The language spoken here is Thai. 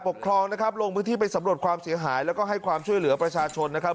ปกครองนะครับลงพื้นที่ไปสำรวจความเสียหายแล้วก็ให้ความช่วยเหลือประชาชนนะครับ